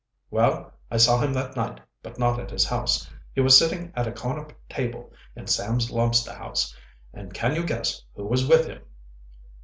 Well, I saw him that night, but not at his house. He was sitting at a corner table in Sam's Lobster House, and can you guess who was with him?"